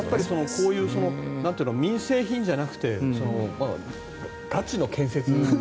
こういう民生品じゃなくてガチの建設。